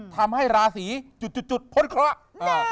ทำให้ราศีจุดพ้นเคราะห์